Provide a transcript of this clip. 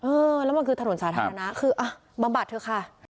เออแล้วมันคือถนนสาธารณะคืออ่ะบำบัดเถอะค่ะ